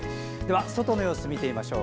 外の様子見てみましょう。